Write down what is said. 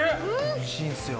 おいしいんすよ。